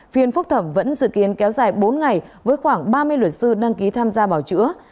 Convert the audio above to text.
phiên phúc thẩm vẫn dự kiến kéo dài bốn ngày với khoảng ba mươi luật sư đăng ký tham gia bảo chữa